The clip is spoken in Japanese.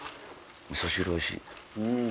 みそ汁おいしい。